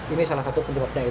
ini salah satu penyebabnya